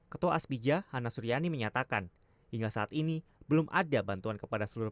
ketua aspija hana suryani menyatakan hingga saat ini belum ada bantuan kepada seluruh